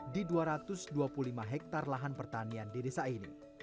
di dua ratus dua puluh lima hektare lahan pertanian di desa ini